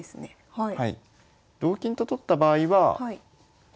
はい。